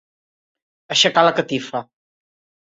Aixecar la catifa.